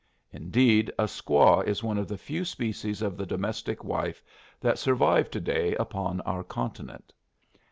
Indeed, a squaw is one of the few species of the domestic wife that survive today upon our continent.